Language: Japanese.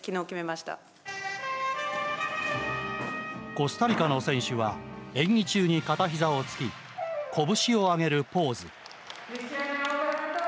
コスタリカの選手は演技中に片ひざをつき拳を上げるポーズ。